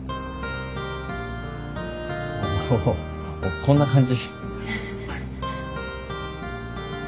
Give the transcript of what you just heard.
おおこんな感じ。